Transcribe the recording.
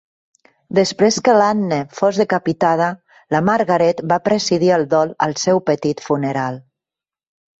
Després que l'Anne fos decapitada, la Margaret va presidir el dol al seu petit funeral.